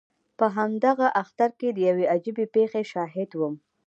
په همدغه اختر کې د یوې عجیبې پېښې شاهد وم.